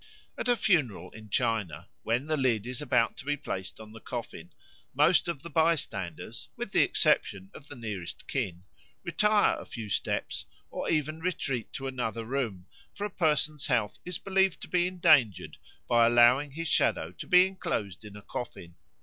At a funeral in China, when the lid is about to be placed on the coffin, most of the bystanders, with the exception of the nearest kin, retire a few steps or even retreat to another room, for a person's health is believed to be endangered by allowing his shadow to be enclosed in a coffin.